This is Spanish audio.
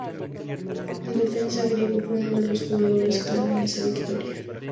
El defensa griego fue uno de los jugadores clave en esta victoria.